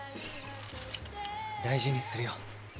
大事にするよ。